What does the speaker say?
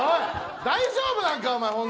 大丈夫なのか、お前。